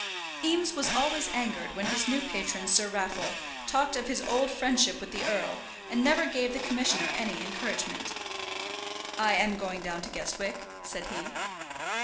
Eames was always angered when his new patron Sir Raffle talked of his old friendship with the earl, and never gave the Commissioner any encouragement. "I am going down to Guestwick," said he.